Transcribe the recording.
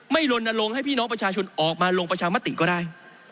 ลนลงให้พี่น้องประชาชนออกมาลงประชามติก็ได้